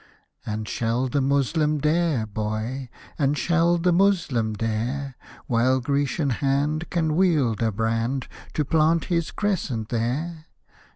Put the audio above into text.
And shall the Moslem dare, boy, And shall the Moslem dare, While Grecian hand Can wield a brand, To plant his Crescent there